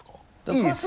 いいですよ。